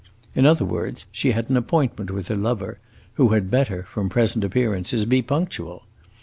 In other words, she had an appointment with her lover, who had better, from present appearances, be punctual.